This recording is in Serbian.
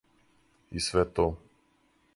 И све то.